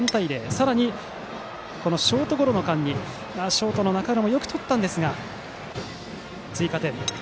さらに、ショートゴロの間にショートの中浦もよくとったんですが追加点。